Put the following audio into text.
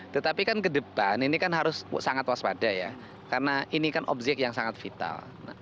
tetapi kan ke depan ini kan harus sangat waspada ya karena ini kan objek yang sangat vital